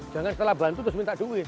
jangan setelah bantu terus minta duit